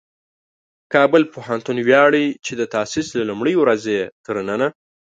کابل پوهنتون ویاړي چې د تاسیس له لومړۍ ورځې یې تر ننه